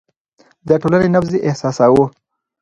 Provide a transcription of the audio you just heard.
د ټولنې نبض يې احساساوه.